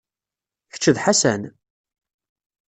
Kečč d Ḥasan?